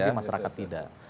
tapi masyarakat tidak